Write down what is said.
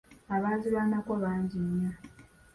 Abaazirwanako bangi nnyo.